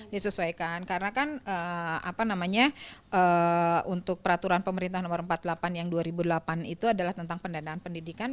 disesuaikan karena kan apa namanya untuk peraturan pemerintah nomor empat puluh delapan yang dua ribu delapan itu adalah tentang pendanaan pendidikan